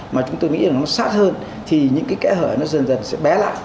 mà chúng tôi nghĩ rằng nó sát hơn thì những cái kẽ hở nó dần dần sẽ bé lại